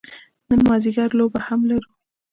نن مازدیګر لوبه هم لرو.